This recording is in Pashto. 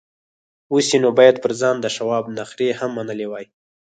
اوس يې نو بايد پر ځان د شواب نخرې هم منلې وای.